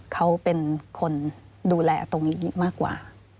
เขาเป็นคนดูแลตรงนี้มากกว่า